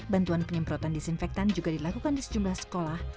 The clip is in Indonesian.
bantuan penyemprotan disinfektan juga dilakukan di sejumlah sekolah